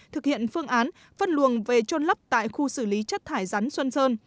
thực hiện phương án phân luồng về trôn lấp tại khu xử lý chất thải rắn xuân sơn